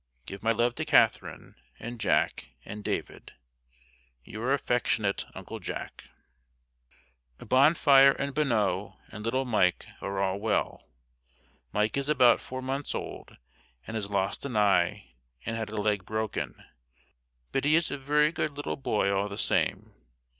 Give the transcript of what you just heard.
Give my love to Katharine, and Jack, and David. Your affectionate uncle Jack. Bonfire, and Bonneau, and little Mike, are all well. Mike is about four months old and has lost an eye and had a leg broken, but he is a very good little boy all the same.